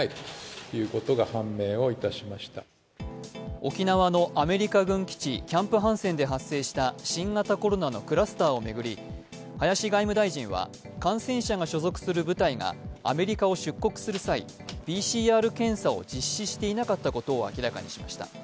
沖縄のアメリカ軍基地、キャンプ・ハンセンで発生した新型コロナのクラスターを巡り、林外務大臣は感染者が所属する部隊がアメリカを出国する際、ＰＣＲ検査を実施していなかったことを明らかにしました。